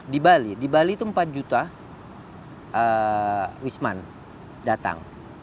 di bali empat juta wisman datang